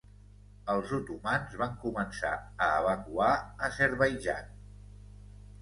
Els otomans van començar a evacuar Azerbaidjan.